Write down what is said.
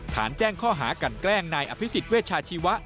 แจ้งข้อหากันแกล้งนายอภิษฎเวชาชีวะ